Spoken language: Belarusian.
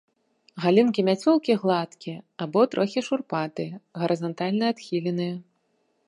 Галінкі мяцёлкі гладкія або трохі шурпатыя, гарызантальна адхіленыя.